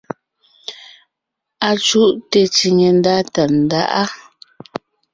Acùʼte tsiŋe ndá Tàndáʼa.